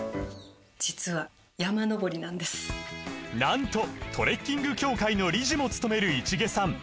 実はなんとトレッキング協会の理事もつとめる市毛さん